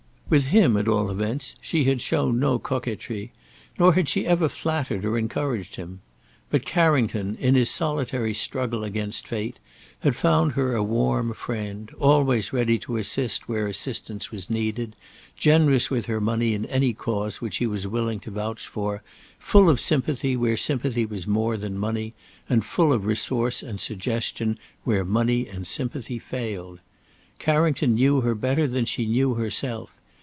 With him, at all events, she had shown no coquetry, nor had she ever either flattered or encouraged him. But Carrington, m his solitary struggle against fate, had found her a warm friend; always ready to assist where assistance was needed, generous with her money in any cause which he was willing to vouch for, full of sympathy where sympathy was more than money, and full of resource and suggestion where money and sympathy failed. Carrington knew her better than she knew herself.